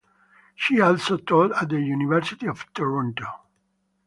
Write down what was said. She also taught at the University of Toronto.